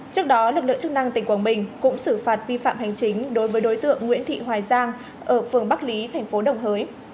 trước đó lực lượng chức năng tỉnh quảng bình cũng xử phạt vi phạm hành chính đối với đối tượng nguyễn thị hoài giang ở phường bắc lý thành phố đồng hới